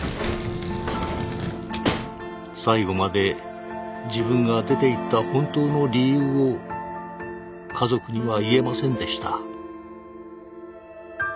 最後まで自分が出ていった本当の理由を家族には言えませんでした。